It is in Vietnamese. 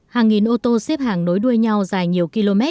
hàng nghìn ô tô xếp hàng nối đuôi nhau dài nhiều km